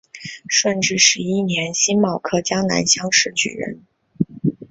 顺治十一年辛卯科江南乡试举人。